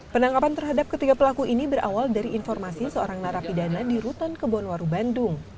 penangkapan terhadap ketiga pelaku ini berawal dari informasi seorang narapidana di rutan kebonwaru bandung